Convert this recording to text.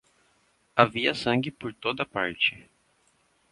Havia sangue por toda parte.